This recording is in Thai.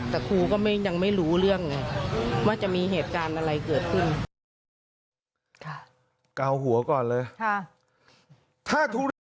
แต่ครูก็ยังไม่รู้เรื่องไงว่าจะมีเหตุการณ์อะไรเกิดขึ้น